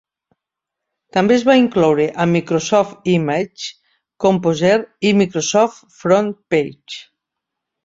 També es va incloure amb Microsoft Image Composer i Microsoft FrontPage.